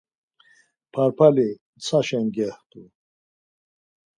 Parpali ntsaşen gextu.